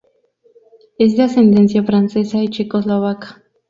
Es de ascendencia francesa y checoslovaca.